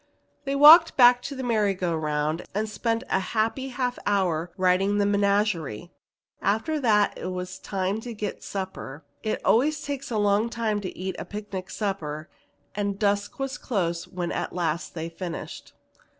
They walked back to the merry go round, and spent a happy half hour riding the menagerie. After that it was time to get supper. It always takes a long time to eat a picnic supper, and dusk was close when at last they finished.